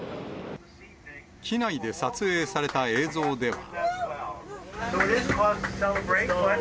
機内で撮影された映像では。